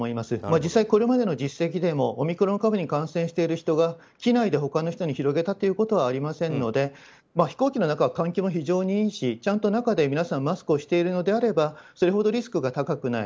実際、これまでの実績でもオミクロン株に感染している人が機内で他の人に広げたということはありませんので飛行機の中は換気も非常にいいしちゃんと中で皆さんマスクをしているのであればそれほどリスクが高くない。